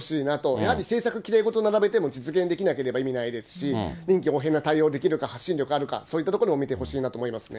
やはり政策、きれいごと並べても実現できなければ意味ないですし、臨機応変な対応ができるか、発信力があるか、そういったところも見てほしいなと思いますね。